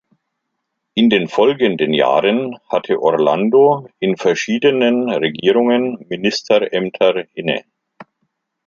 In den folgenden Jahren hatte Orlando in verschiedenen Regierungen Ministerämter inne.